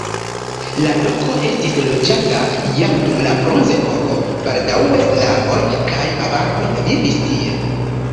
La loko estis loĝata jam dum la bronzepoko, baldaŭe slavoj kaj avaroj vivis tie.